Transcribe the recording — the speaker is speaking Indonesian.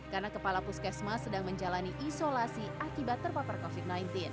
karena kepala puskesmas sedang menjalani isolasi akibat terpapar covid sembilan belas